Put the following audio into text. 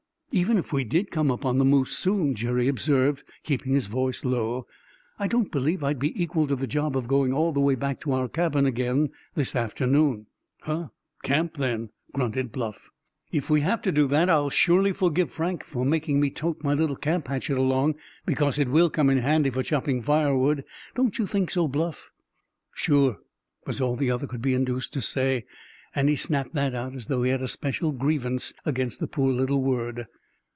"Even if we did come up on the moose soon," Jerry observed, keeping his voice low, "I don't believe I'd be equal to the job of going all the way back to our cabin again this afternoon." "Huh! Camp, then!" grunted Bluff. "If we have to do that, I'll surely forgive Frank for making me tote my little camp hatchet along, because it will come in handy for chopping firewood, don't you think so, Bluff?" "Sure," was all the other could be induced to say, and he snapped that out as though he had a special grievance against the poor little word.